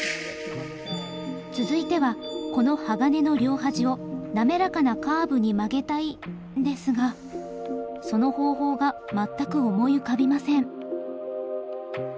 続いてはこの鋼の両端を滑らかなカーブに曲げたいですがその方法が全く思い浮かびません。